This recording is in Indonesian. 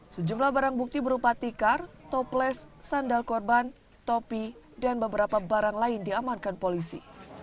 sejumlah barang bukti berupa tikar toples sandal korban topi dan beberapa barang lain diamankan polisi